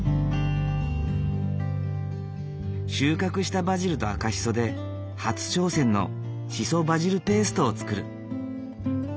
収穫したバジルとアカシソで初挑戦のシソバジルペーストを作る。